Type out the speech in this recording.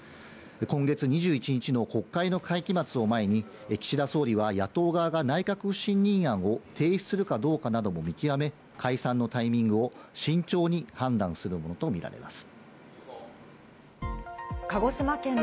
今月２１日の国会の会期末を前に岸田総理は野党側が内閣不信任案を提出するかどうかなども見極め、解散のタイミングを慎重に判断するものとみられます。